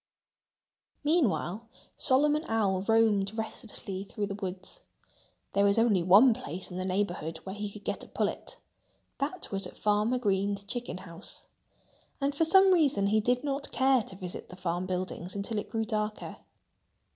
Meanwhile, Solomon Owl roamed restlessly through the woods. There was only one place in the neighborhood where he could get a pullet. That was at Farmer Green's chicken house. And for some reason he did not care to visit the farm buildings until it grew darker.